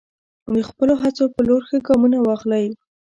د خپلو هڅو په لور ښه ګامونه واخلئ.